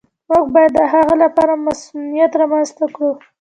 موږ باید د هغه لپاره مصونیت رامنځته کړو.